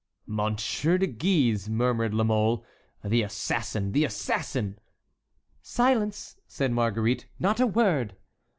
"Monsieur de Guise!" murmured La Mole. "The assassin—the assassin!" "Silence!" said Marguerite. "Not a word!"